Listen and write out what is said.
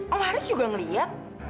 om haris juga ngeliat